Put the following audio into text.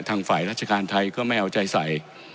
ทางฝ่ายราชการไทยก็ไม่เอาใจใส่